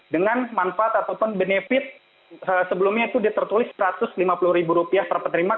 dengan manfaat ataupun benefit sebelumnya itu ditertulis rp satu ratus lima puluh per penerima